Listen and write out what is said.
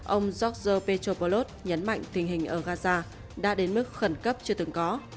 ông george petrobolod nhấn mạnh tình hình ở gaza đã đến mức khẩn cấp chưa từng có